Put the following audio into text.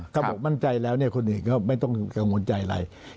เขาบอกมั่นใจแล้วคนอื่นก็ไม่ต้องกังวลใจอะไร